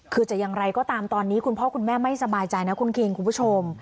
คือจะอย่างไรก็ตามตอนนี้คุณพ่อคุณแม่ไม่สบายใจนะคุณคิงคุณผู้ชม